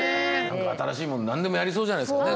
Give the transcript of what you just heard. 新しいもの何でもやりそうじゃないですかね